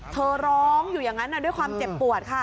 เธอร้องอยู่อย่างนั้นด้วยความเจ็บปวดค่ะ